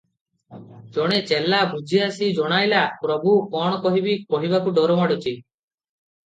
ଜଣେ ଚେଲା ବୁଝି ଆସି ଜଣାଇଲା, "ପ୍ରଭୁ! କଣ କହିବି, କହିବାକୁ ଡର ମାଡୁଛି ।